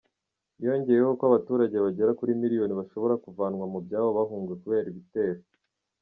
Yongeyeho ko abaturage bagera kuri miliyoni bashobora kuvanwa mu byabo bahunga kubera ibitero.